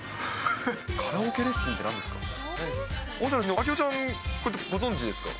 カラオケレッスンってなんですか？